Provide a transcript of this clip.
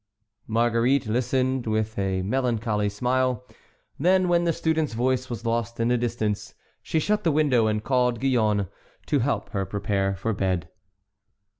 Marguerite listened with a melancholy smile; then when the student's voice was lost in the distance, she shut the window, and called Gillonne to help her to prepare for bed.